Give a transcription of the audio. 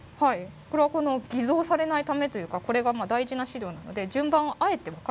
これは偽造されないためというかこれが大事な資料なので順番をあえて分からなくしてるんです。